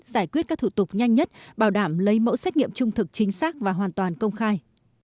giải quyết các thủ tục nhanh nhất bảo đảm lấy mẫu xét nghiệm trung thực chính xác và hoàn toàn công khai